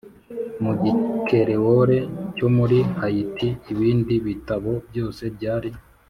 Mu gikerewole cyo muri hayiti ibindi bitabo byose byari